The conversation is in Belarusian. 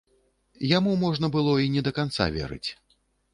Яму можна было і не да канца верыць.